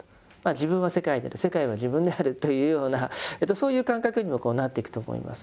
自分は世界であり世界は自分であるというようなそういう感覚にもなっていくと思います。